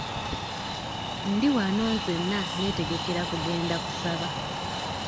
Ndi wano nzenna neetegekera kugenda kusaba.